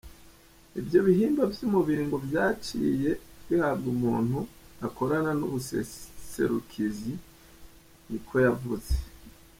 Ivyo bihimba vy'umubiri ngo vyaciye bihabwa umuntu akorana n'ubuserukizi, niko yavuze.